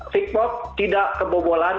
fitbox tidak kebobolan